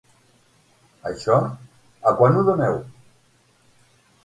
Això, a quant ho doneu?